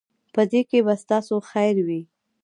په دې کې به ستاسو خیر وي.